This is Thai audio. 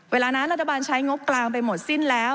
เวลานั้นรัฐบาลใช้งบกลางไปหมดสิ้นแล้ว